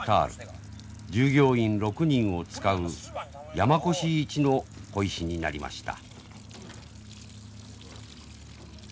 従業員６人を使う山古志一の鯉師になりました。